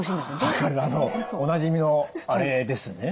測るおなじみのあれですね。